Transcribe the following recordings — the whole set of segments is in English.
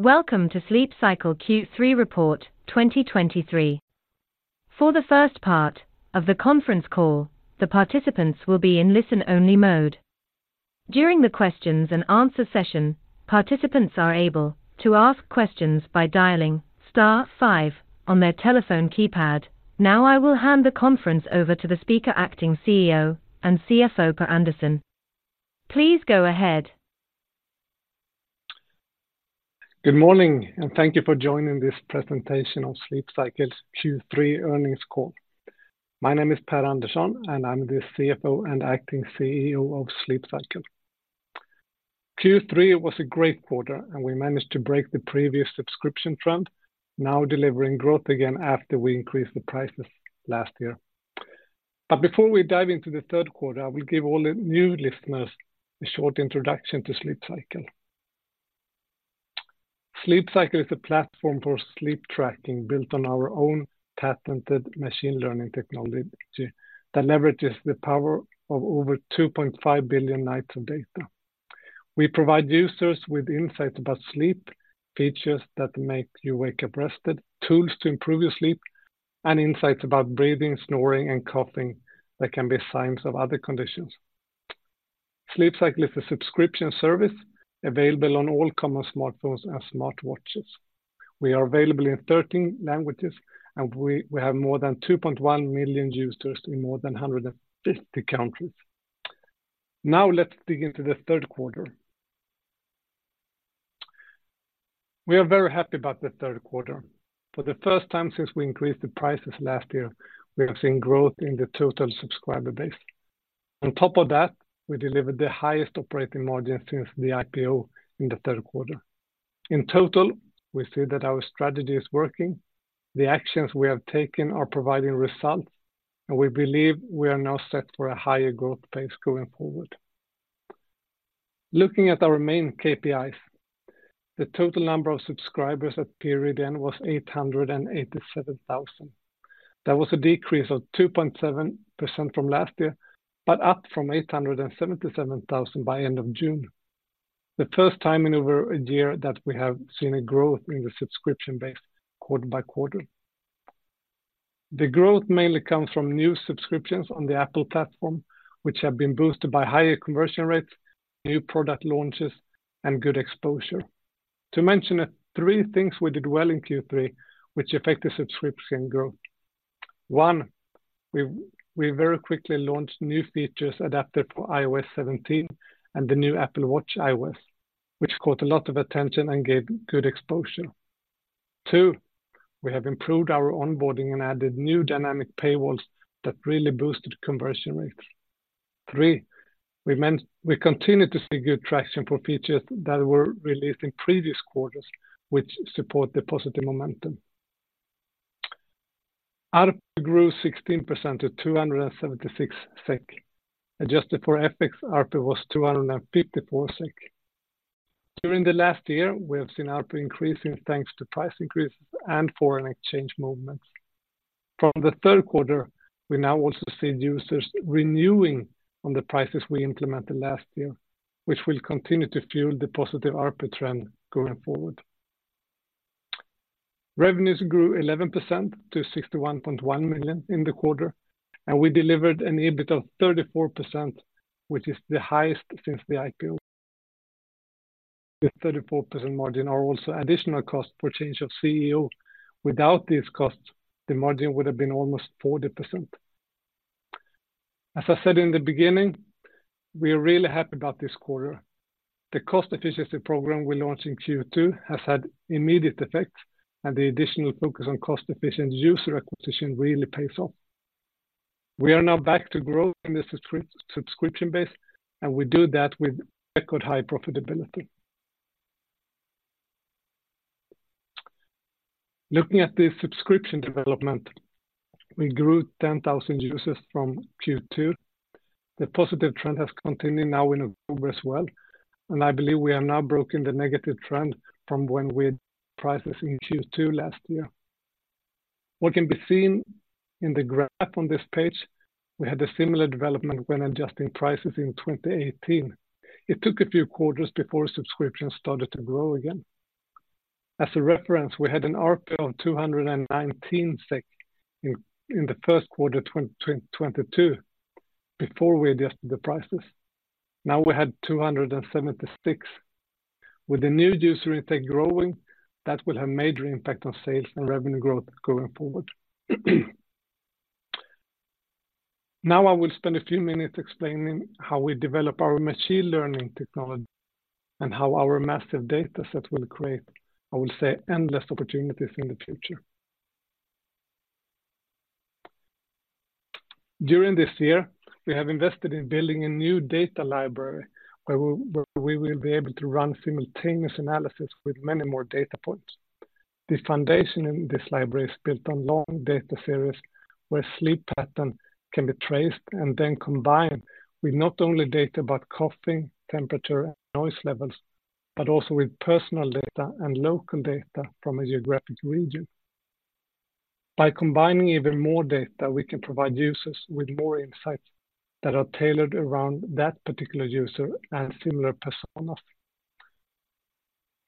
Welcome to Sleep Cycle Q3 report 2023. For the first part of the conference call, the participants will be in listen-only mode. During the questions and answer session, participants are able to ask questions by dialing star five on their telephone keypad. Now, I will hand the conference over to the speaker, acting CEO and CFO, Per Andersson. Please go ahead. Good morning, and thank you for joining this presentation on Sleep Cycle's Q3 earnings call. My name is Per Andersson, and I'm the CFO and Acting CEO of Sleep Cycle. Q3 was a great quarter, and we managed to break the previous subscription trend, now delivering growth again after we increased the prices last year. Before we dive into the third quarter, I will give all the new listeners a short introduction to Sleep Cycle. Sleep Cycle is a platform for sleep tracking, built on our own patented machine learning technology that leverages the power of over 2.5 billion nights of data. We provide users with insights about sleep, features that make you wake up rested, tools to improve your sleep, and insights about breathing, snoring, and coughing that can be signs of other conditions. Sleep Cycle is a subscription service available on all common smartphones and smartwatches. We are available in 13 languages, and we have more than 2.1 million users in more than 150 countries. Now, let's dig into the third quarter. We are very happy about the third quarter. For the first time since we increased the prices last year, we have seen growth in the total subscriber base. On top of that, we delivered the highest operating margin since the IPO in the third quarter. In total, we see that our strategy is working, the actions we have taken are providing results, and we believe we are now set for a higher growth pace going forward. Looking at our main KPIs, the total number of subscribers at period end was 887,000. That was a decrease of 2.7% from last year, but up from 877,000 by end of June. The first time in over a year that we have seen a growth in the subscription base quarter-by-quarter. The growth mainly comes from new subscriptions on the Apple platform, which have been boosted by higher conversion rates, new product launches, and good exposure. To mention it, three things we did well in Q3, which affected subscription growth. One, we very quickly launched new features adapted for iOS 17 and the new Apple Watch iOS, which caught a lot of attention and gave good exposure. Two, we have improved our onboarding and added new dynamic paywalls that really boosted conversion rates. Three, we continued to see good traction for features that were released in previous quarters, which support the positive momentum. ARPU grew 16% to 276 SEK. Adjusted for FX, ARPU was 254 SEK. During the last year, we have seen ARPU increasing thanks to price increases and foreign exchange movements. From the third quarter, we now also see users renewing on the prices we implemented last year, which will continue to fuel the positive ARPU trend going forward. Revenues grew 11% to 61.1 million in the quarter, and we delivered an EBIT of 34%, which is the highest since the IPO. The 34% margin are also additional cost for change of CEO. Without these costs, the margin would have been almost 40%. As I said in the beginning, we are really happy about this quarter. The cost efficiency program we launched in Q2 has had immediate effects, and the additional focus on cost-efficient user acquisition really pays off. We are now back to growing the subscription base, and we do that with record high profitability. Looking at the subscription development, we grew 10,000 users from Q2. The positive trend has continued now in October as well, and I believe we have now broken the negative trend from when we had prices in Q2 last year. What can be seen in the graph on this page, we had a similar development when adjusting prices in 2018. It took a few quarters before subscription started to grow again. As a reference, we had an ARPU of 219 SEK in the first quarter 2022, before we adjusted the prices. Now, we had 276. With the new user intake growing, that will have major impact on sales and revenue growth going forward. Now, I will spend a few minutes explaining how we develop our machine learning technology and how our massive dataset will create, I will say, endless opportunities in the future. During this year, we have invested in building a new data library, where we will be able to run simultaneous analysis with many more data points. The foundation in this library is built on long data series, where sleep pattern can be traced and then combined with not only data about coughing, temperature, and noise levels, but also with personal data and local data from a geographic region. By combining even more data, we can provide users with more insights that are tailored around that particular user and similar personas.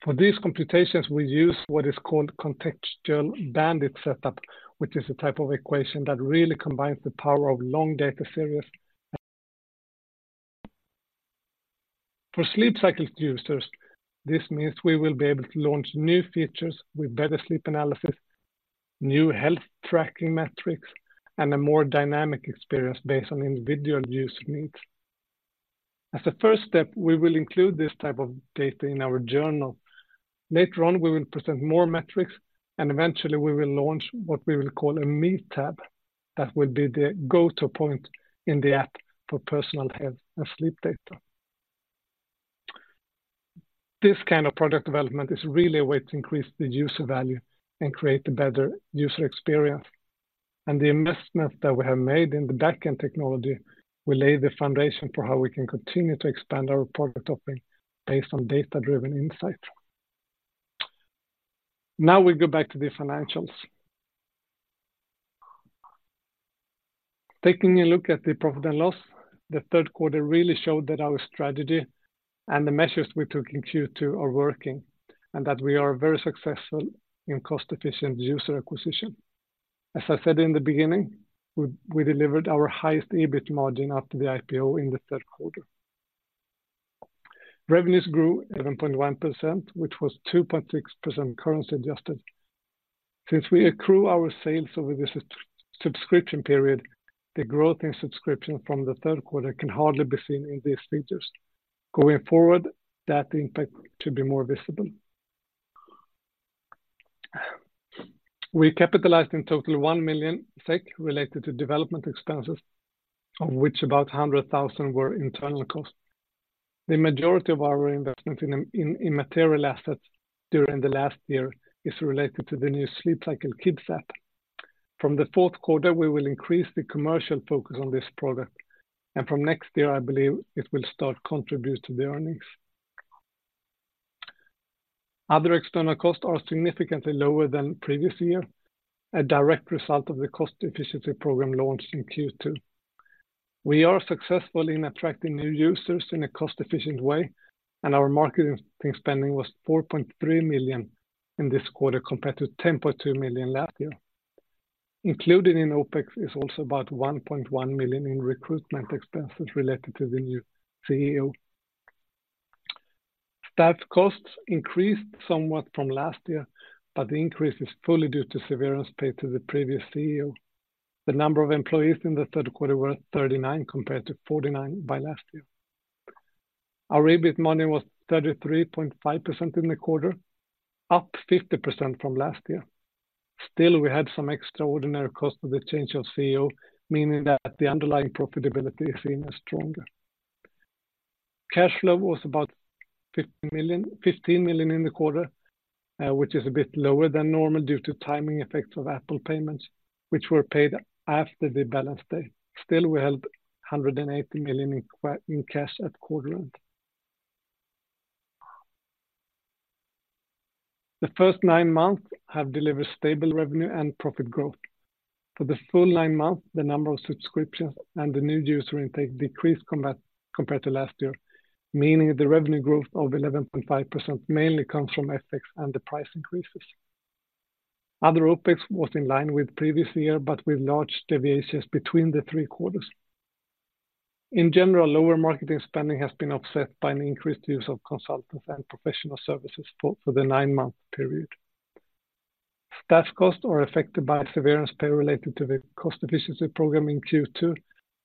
For these computations, we use what is called contextual bandit setup, which is a type of equation that really combines the power of long data series. For Sleep Cycle users, this means we will be able to launch new features with better sleep analysis, new health tracking metrics, and a more dynamic experience based on individual user needs. As a first step, we will include this type of data in our journal. Later on, we will present more metrics, and eventually, we will launch what we will call a Me tab. That will be the go-to point in the app for personal health and sleep data. This kind of product development is really a way to increase the user value and create a better user experience, and the investment that we have made in the backend technology will lay the foundation for how we can continue to expand our product offering based on data-driven insight. Now, we go back to the financials. Taking a look at the profit and loss, the third quarter really showed that our strategy and the measures we took in Q2 are working, and that we are very successful in cost-efficient user acquisition. As I said in the beginning, we delivered our highest EBIT margin after the IPO in the third quarter. Revenues grew 11.1%, which was 2.6% currency-adjusted. Since we accrue our sales over the subscription period, the growth in subscription from the third quarter can hardly be seen in these figures. Going forward, that impact to be more visible. We capitalized in total 1 million SEK related to development expenses, of which about 100,000 were internal costs. The majority of our investment in material assets during the last year is related to the new Sleep Cycle Kids app. From the fourth quarter, we will increase the commercial focus on this product, and from next year, I believe it will start contribute to the earnings. Other external costs are significantly lower than previous year, a direct result of the cost efficiency program launched in Q2. We are successful in attracting new users in a cost-efficient way, and our marketing spending was 4.3 million in this quarter, compared to 10.2 million last year. Included in OpEx is also about 1.1 million in recruitment expenses related to the new CEO. Staff costs increased somewhat from last year, but the increase is fully due to severance paid to the previous CEO. The number of employees in the third quarter were 39, compared to 49 by last year. Our EBIT margin was 33.5% in the quarter, up 50% from last year. Still, we had some extraordinary cost of the change of CEO, meaning that the underlying profitability is even stronger. Cash flow was about 15 million, 15 million in the quarter, which is a bit lower than normal due to timing effects of Apple payments, which were paid after the balance date. Still, we held 180 million in cash at quarter end. The first nine months have delivered stable revenue and profit growth. For the full nine months, the number of subscriptions and the new user intake decreased compared to last year, meaning the revenue growth of 11.5% mainly comes from FX and the price increases. Other OpEx was in line with previous year, but with large deviations between the three quarters. In general, lower marketing spending has been offset by an increased use of consultants and professional services for the nine-month period. Staff costs are affected by severance pay related to the cost efficiency program in Q2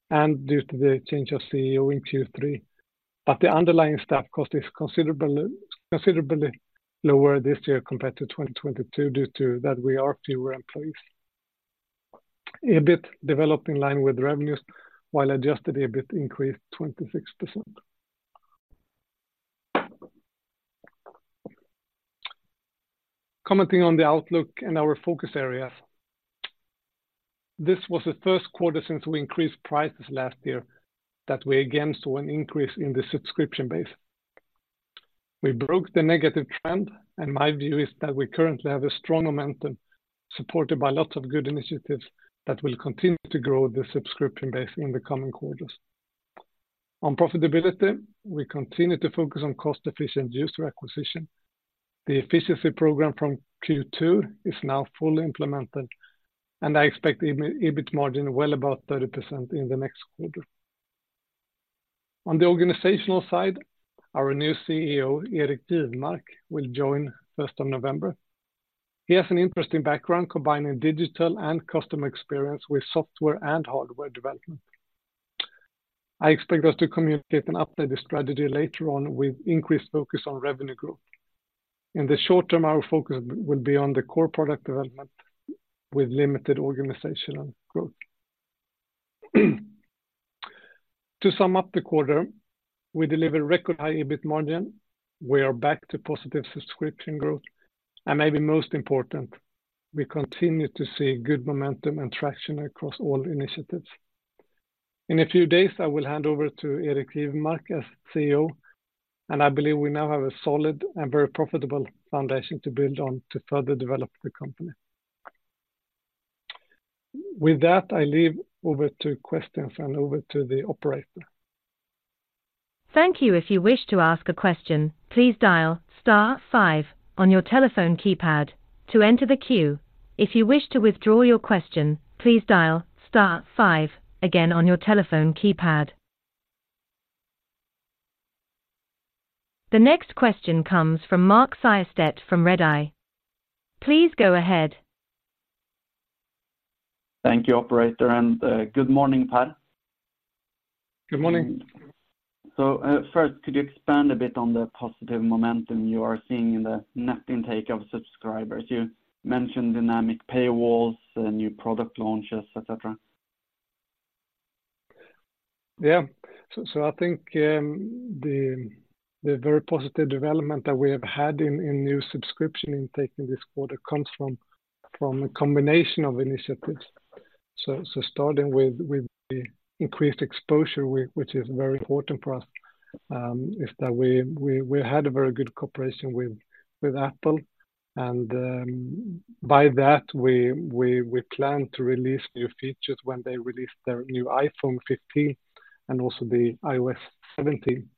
and due to the change of CEO in Q3. But the underlying staff cost is considerably lower this year compared to 2022 due to that we are fewer employees. EBIT developed in line with revenues, while adjusted EBIT increased 26%. Commenting on the outlook and our focus areas, this was the first quarter since we increased prices last year, that we again saw an increase in the subscription base. We broke the negative trend, and my view is that we currently have a strong momentum, supported by lots of good initiatives that will continue to grow the subscription base in the coming quarters. On profitability, we continue to focus on cost-efficient user acquisition. The efficiency program from Q2 is now fully implemented, and I expect EBIT, EBIT margin well above 30% in the next quarter. On the organizational side, our new CEO, Erik Jivmark, will join first of November. He has an interesting background, combining digital and customer experience with software and hardware development. I expect us to communicate and update the strategy later on with increased focus on revenue growth. In the short term, our focus will be on the core product development with limited organizational growth. To sum up the quarter, we delivered record high EBIT margin. We are back to positive subscription growth, and maybe most important, we continue to see good momentum and traction across all initiatives. In a few days, I will hand over to Erik Jivmark as CEO, and I believe we now have a solid and very profitable foundation to build on to further develop the company. With that, I leave over to questions and over to the operator. Thank you. If you wish to ask a question, please dial star five on your telephone keypad to enter the queue. If you wish to withdraw your question, please dial star five again on your telephone keypad. The next question comes from Mark Siöstedt from Redeye. Please go ahead. Thank you, operator, and good morning, Per. Good morning. So, first, could you expand a bit on the positive momentum you are seeing in the net intake of subscribers? You mentioned dynamic paywalls, new product launches, etc. Yeah. So I think the very positive development that we have had in new subscription intake this quarter comes from a combination of initiatives. So starting with the increased exposure, which is very important for us, is that we had a very good cooperation with Apple, and by that, we plan to release new features when they release their new iPhone 15 and also the iOS 17.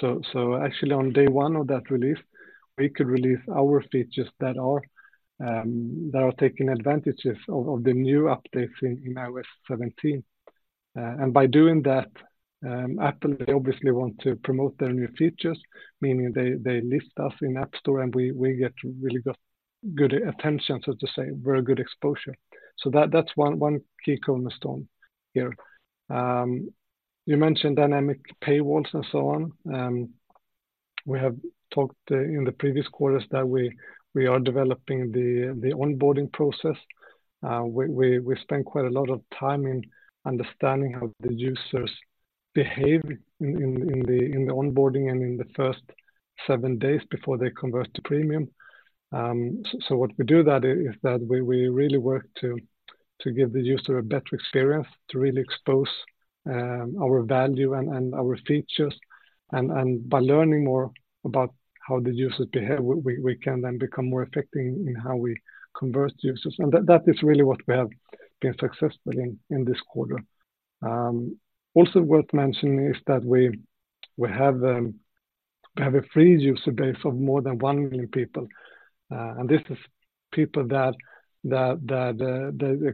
So actually, on day one of that release, we could release our features that are taking advantage of the new updates in iOS 17. And by doing that, Apple, they obviously want to promote their new features, meaning they list us in App Store, and we get really good attention, so to say, very good exposure. So that's one key cornerstone here. You mentioned dynamic paywalls and so on. We have talked in the previous quarters that we are developing the onboarding process. We spend quite a lot of time in understanding how the users behave in the onboarding and in the first seven days before they convert to premium. So what we do is that we really work to give the user a better experience, to really expose our value and our features, and by learning more about how the users behave, we can then become more effective in how we convert users. And that is really what we have been successful in this quarter. Also worth mentioning is that we have a free user base of more than 1 million people, and this is people that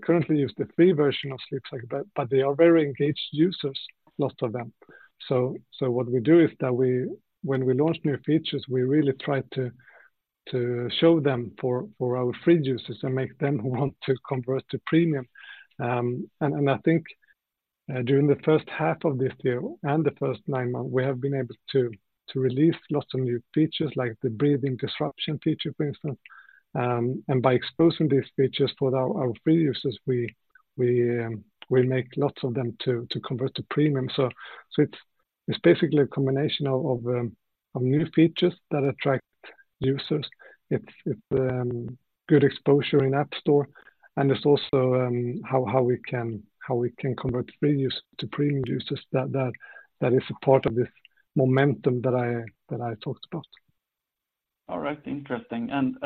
currently use the free version of Sleep Cycle, but they are very engaged users, lots of them. So, what we do is that we, when we launch new features, we really try to show them for our free users and make them want to convert to premium. And, I think, during the first half of this year and the first nine months, we have been able to release lots of new features, like the breathing disruption feature, for instance. And by exposing these features for our free users, we make lots of them to convert to premium. So it's basically a combination of new features that attract users. It's good exposure in App Store, and it's also how we can convert free users to premium users that is a part of this momentum that I talked about. All right. Interesting. And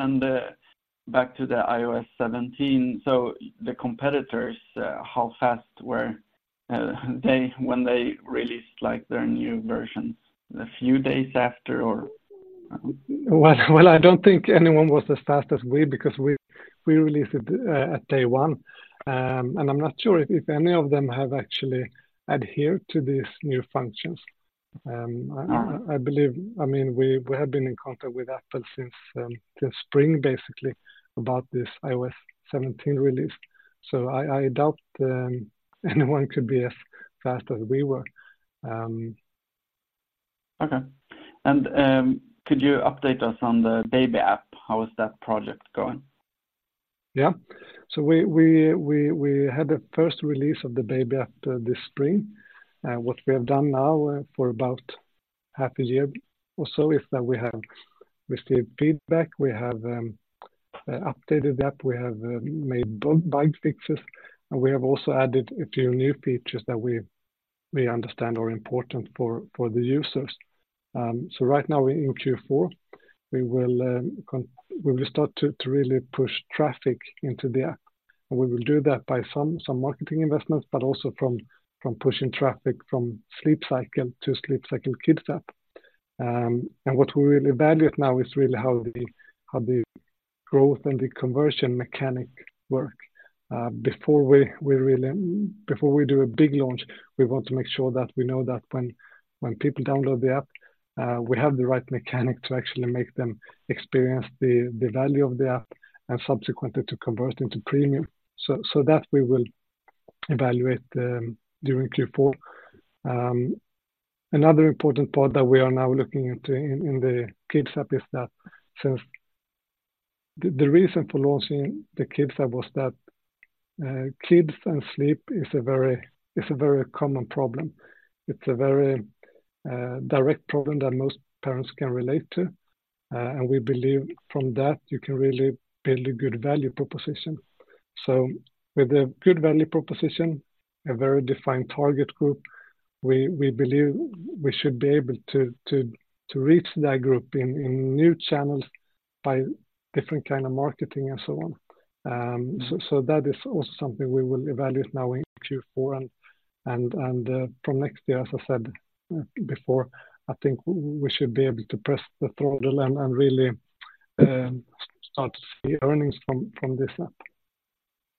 back to the iOS 17, so the competitors, how fast were they when they released, like, their new version? A few days after, or...? Well, well, I don't think anyone was as fast as we, because we released it at day one. And I'm not sure if any of them have actually adhered to these new functions. I believe, I mean, we have been in contact with Apple since the spring, basically, about this iOS 17 release, so I doubt anyone could be as fast as we were. Okay. Could you update us on the baby app? How is that project going? Yeah. So we had the first release of the baby app this spring. What we have done now for about half a year or so is that we have received feedback, we have updated the app, we have made bug fixes, and we have also added a few new features that we understand are important for the users. So right now, in Q4, we will start to really push traffic into the app, and we will do that by some marketing investments, but also from pushing traffic from Sleep Cycle to Sleep Cycle Kids app. And what we will evaluate now is really how the growth and the conversion mechanic work. Before we really... Before we do a big launch, we want to make sure that we know that when people download the app, we have the right mechanic to actually make them experience the value of the app and subsequently to convert into premium. So that we will evaluate during Q4. Another important part that we are now looking into in the kids app is that since the reason for launching the kids app was that kids and sleep is a very common problem. It's a very direct problem that most parents can relate to and we believe from that, you can really build a good value proposition. So with a good value proposition, a very defined target group, we believe we should be able to reach that group in new channels by different kind of marketing and so on. So that is also something we will evaluate now in Q4 and from next year, as I said before, I think we should be able to press the throttle and really start to see earnings from this app.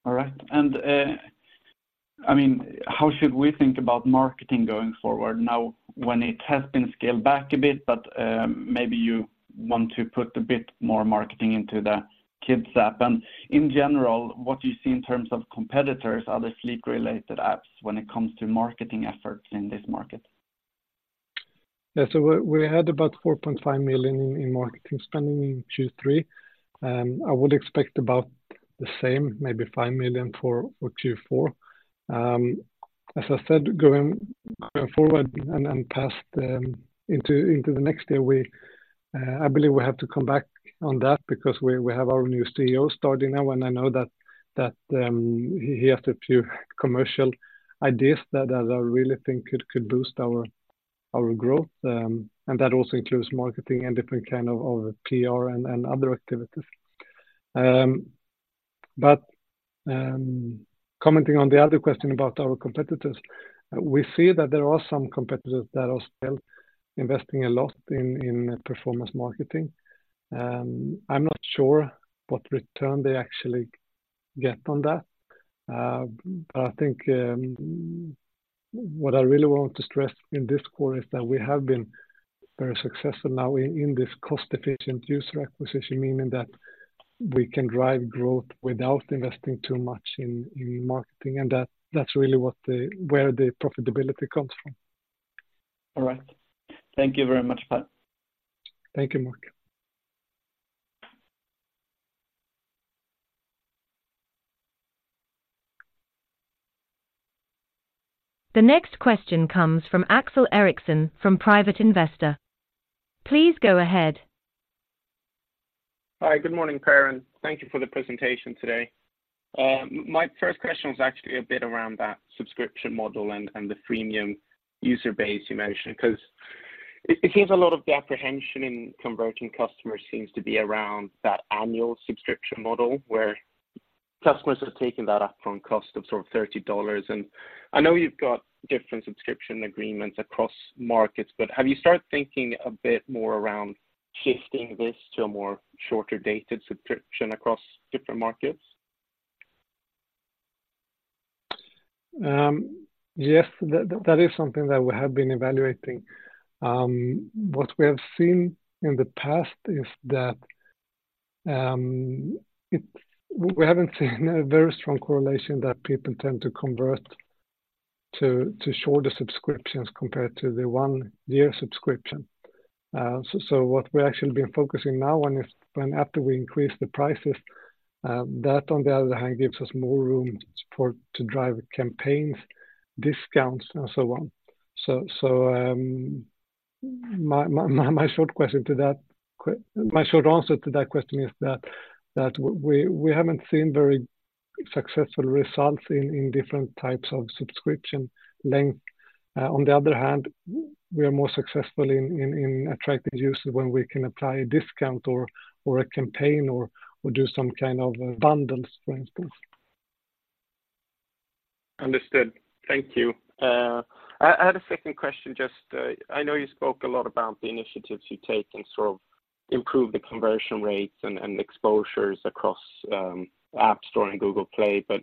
All right. And, I mean, how should we think about marketing going forward now when it has been scaled back a bit, but, maybe you want to put a bit more marketing into the kids app? And in general, what do you see in terms of competitors, other sleep-related apps when it comes to marketing efforts in this market? Yeah. So we had about 4.5 million in marketing spending in Q3. I would expect about the same, maybe 5 million for Q4. As I said, going forward and past into the next year, I believe we have to come back on that because we have our new CEO starting now, and I know that he has a few commercial ideas that I really think could boost our growth. And that also includes marketing and different kind of PR and other activities. But commenting on the other question about our competitors, we see that there are some competitors that are still investing a lot in performance marketing. I'm not sure what return they actually get on that. But I think what I really want to stress in this quarter is that we have been very successful now in this cost-efficient user acquisition, meaning that we can drive growth without investing too much in marketing, and that's really what—where the profitability comes from. All right. Thank you very much, Per. Thank you, Mark. The next question comes from Axel Ericsson from Private Investor. Please go ahead. Hi, good morning, Per, and thank you for the presentation today. My first question was actually a bit around that subscription model and the freemium user base you mentioned, 'cause it seems a lot of the apprehension in converting customers seems to be around that annual subscription model, where customers are taking that upfront cost of sort of $30. And I know you've got different subscription agreements across markets, but have you started thinking a bit more around shifting this to a more shorter-dated subscription across different markets? Yes, that is something that we have been evaluating. What we have seen in the past is that we haven't seen a very strong correlation that people tend to convert to shorter subscriptions compared to the one-year subscription. So what we've actually been focusing now on is, when after we increase the prices, on the other hand, that gives us more room to drive campaigns, discounts, and so on. My short answer to that question is that we haven't seen very successful results in different types of subscription length. On the other hand, we are more successful in attracting users when we can apply a discount or a campaign or do some kind of bundles, for instance. Understood. Thank you. I had a second question, just, I know you spoke a lot about the initiatives you take and sort of improve the conversion rates and exposures across App Store and Google Play, but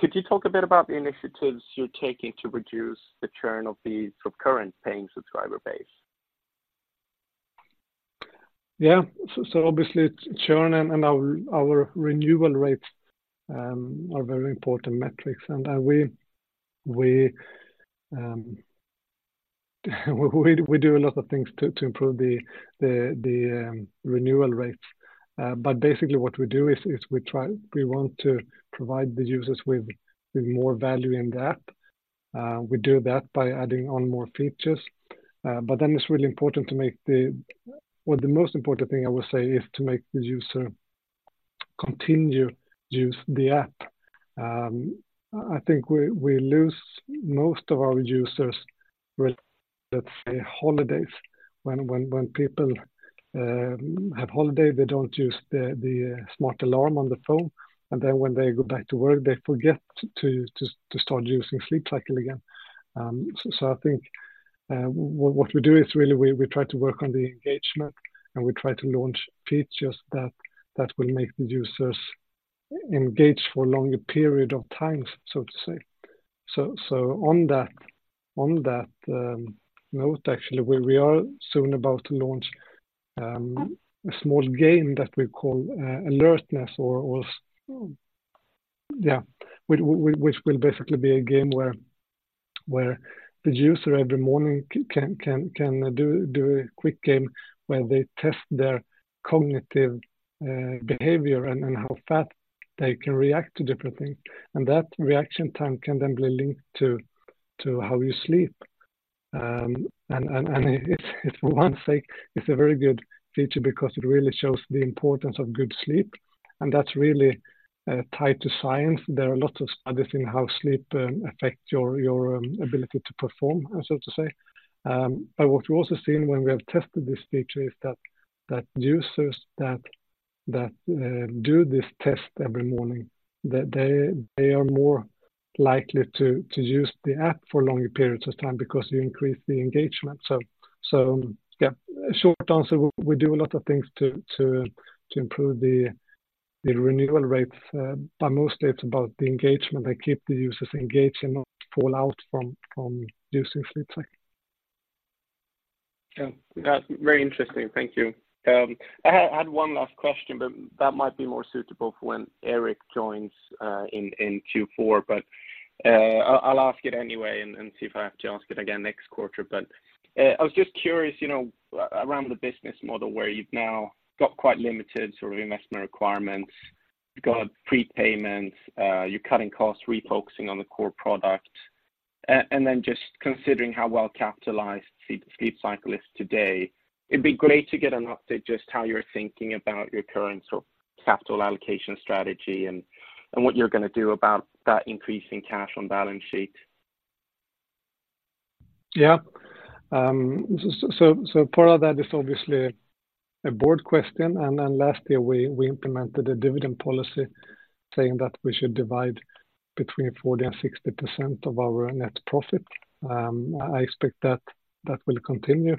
could you talk a bit about the initiatives you're taking to reduce the churn of the current paying subscriber base? Yeah. So obviously, churn and our renewal rates are very important metrics, and we do a lot of things to improve the renewal rates. But basically, what we do is we want to provide the users with more value in the app. We do that by adding on more features. But then it's really important to make the... Well, the most important thing I would say is to make the user continue to use the app. I think we lose most of our users with, let's say, holidays. When people have holiday, they don't use the smart alarm on the phone, and then when they go back to work, they forget to start using Sleep Cycle again. So, I think what we do is really we try to work on the engagement, and we try to launch features that will make the users engage for a longer period of time, so to say. So on that note, actually, we are soon about to launch a small game that we call Alertness or... Yeah, which will basically be a game where the user every morning can do a quick game, where they test their cognitive behavior and how fast they can react to different things. And that reaction time can then be linked to... to how you sleep. It's for one sake, it's a very good feature because it really shows the importance of good sleep, and that's really tied to science. There are a lot of studies in how sleep affect your ability to perform, so to say. But what we're also seeing when we have tested this feature is that users that do this test every morning, that they are more likely to use the app for longer periods of time because you increase the engagement. So yeah, short answer, we do a lot of things to improve the renewal rates, but mostly it's about the engagement, and keep the users engaged and not fall out from using Sleep Cycle. Yeah. That's very interesting. Thank you. I had one last question, but that might be more suitable for when Erik joins in Q4. But I'll ask it anyway and see if I have to ask it again next quarter. But I was just curious, you know, around the business model, where you've now got quite limited sort of investment requirements, you've got prepayments, you're cutting costs, refocusing on the core product. And then just considering how well-capitalized Sleep Cycle is today, it'd be great to get an update just how you're thinking about your current sort of capital allocation strategy and what you're gonna do about that increase in cash on balance sheet. Yeah. So part of that is obviously a board question, and then last year, we implemented a dividend policy, saying that we should divide between 40% and 60% of our net profit. I expect that that will continue.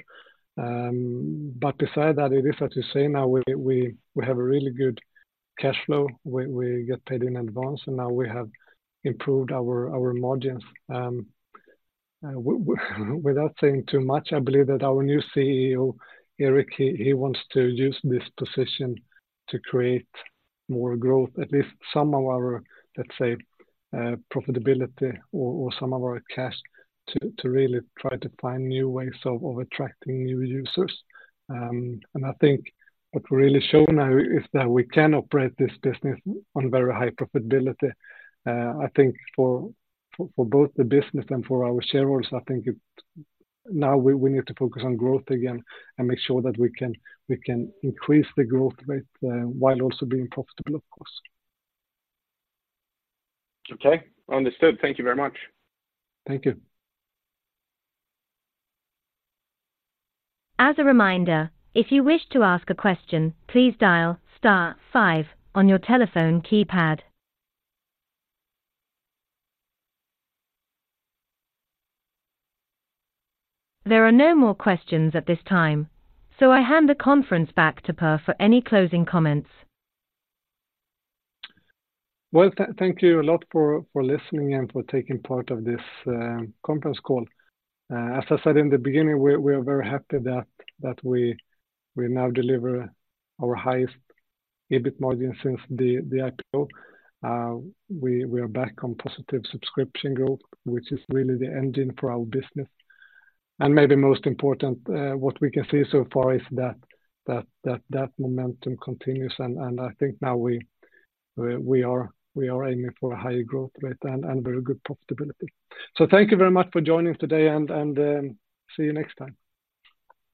But besides that, it is, as you say, now we have a really good cash flow. We get paid in advance, and now we have improved our margins. Without saying too much, I believe that our new CEO, Erik, he wants to use this position to create more growth, at least some of our, let's say, profitability or some of our cash, to really try to find new ways of attracting new users. And I think what we're really showing now is that we can operate this business on very high profitability. I think for both the business and for our shareholders, I think it—now we need to focus on growth again and make sure that we can increase the growth rate while also being profitable, of course. Okay. Understood. Thank you very much. Thank you. As a reminder, if you wish to ask a question, please dial star five on your telephone keypad. There are no more questions at this time, so I hand the conference back to Per for any closing comments. Well, thank you a lot for listening and for taking part of this conference call. As I said in the beginning, we are very happy that we now deliver our highest EBIT margin since the IPO. We are back on positive subscription growth, which is really the engine for our business. And maybe most important, what we can see so far is that that momentum continues, and I think now we are aiming for a higher growth rate and very good profitability. So thank you very much for joining today, and see you next time.